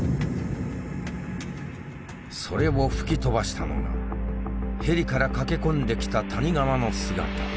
それを吹き飛ばしたのがヘリから駆け込んできた谷川の姿。